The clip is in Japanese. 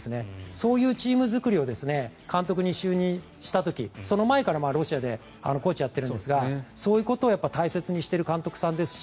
そういうチーム作りを監督に就任した時その前からロシアでコーチをやっているんですがそういうことを大切にしている監督さんですし